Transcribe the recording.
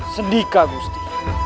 sedih kak gusti